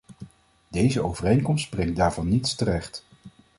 Deze overeenkomst brengt daarvan niets terecht.